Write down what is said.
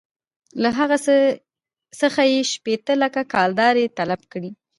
له هغه څخه یې شپېته لکه کلدارې طلب کړې.